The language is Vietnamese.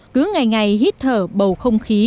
cứ ngày ngày hít thở bầu không khí